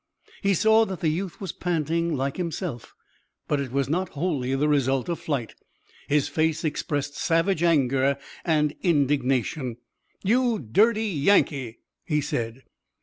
He saw that the youth was panting like himself, but it was not wholly the result of flight. His face expressed savage anger and indignation. "You dirty Yankee!" he said.